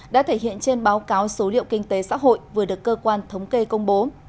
đã thể hiện trên báo cáo số liệu kinh tế xã hội vừa được cơ quan thống kê công bố